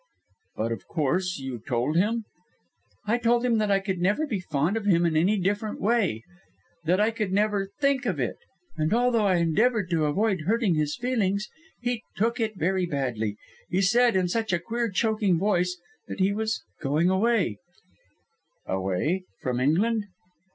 "But of course, you told him?" "I told him that I could never be fond of him in any different way that I could never think of it. And although I endeavoured to avoid hurting his feelings, he took it very badly. He said, in such a queer, choking voice, that he was going away " "Away! from England?"